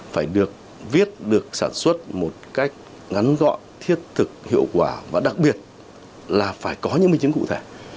phải được viết được sản xuất một cách ngắn gọn thiết thực hiệu quả và đặc biệt là phải có những minh chứng cụ thể